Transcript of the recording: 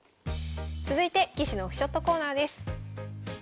続いて棋士のオフショットコーナーです。